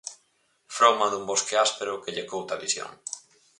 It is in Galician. Frouma dun bosque áspero que lle couta a visión.